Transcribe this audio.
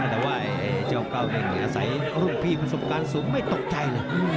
แต่ว่าเจ้าเก้าเม่งอาศัยรุ่นพี่ประสบการณ์สูงไม่ตกใจเลย